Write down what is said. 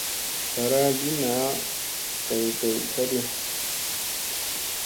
Zlara li naa day day ka ɗi.